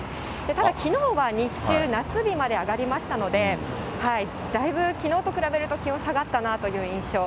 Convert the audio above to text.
ただきのうは日中、夏日まで上がりましたので、だいぶ、きのうと比べると気温下がったなという印象。